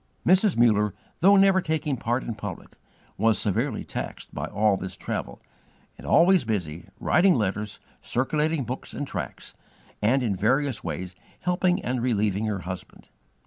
Mrs. Muller, though never taking part in public, was severely taxed by all this travel, and always busy, writing letters, circulating books and tracts, and in various ways helping and relieving her husband.